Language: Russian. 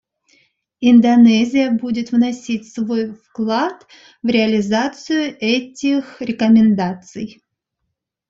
Индонезия будет вносить свой вклад в реализацию этих рекомендаций.